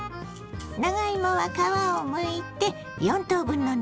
長芋は皮をむいて４等分の長さに。